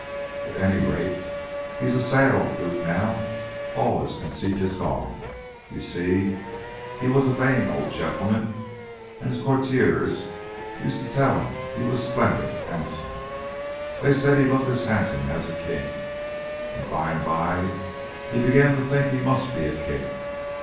"At any rate, he's a sad old duke now; all his conceit is gone. You see, he was a vain old gentleman, and his courtiers used to tell him he was splendid, handsome They said he looked as handsome as a king, and by and by he began to think he must be a king.